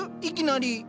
いきなり。